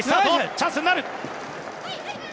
チャンスになる！